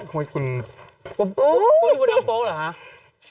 บ๊วยคุณนำโป๊ะหรือคะ